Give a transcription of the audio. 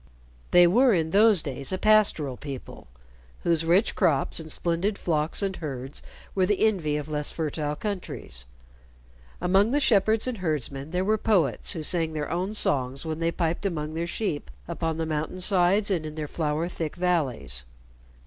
They were in those days a pastoral people, whose rich crops and splendid flocks and herds were the envy of less fertile countries. Among the shepherds and herdsmen there were poets who sang their own songs when they piped among their sheep upon the mountain sides and in the flower thick valleys.